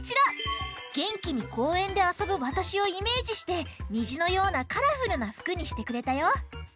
げんきにこうえんであそぶわたしをイメージしてにじのようなカラフルなふくにしてくれたよ！